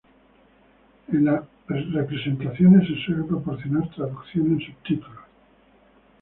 En las representaciones, se suele proporcionar traducción en subtítulos.